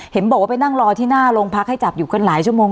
เห็นบอกว่าไปนั่งรอที่หน้าโรงพักให้จับอยู่กันหลายชั่วโมง